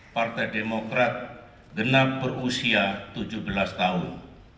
partai demokrat genap berusia tujuh belas tahun